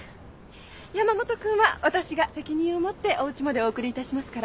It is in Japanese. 山本君は私が責任を持っておうちまでお送りいたしますから。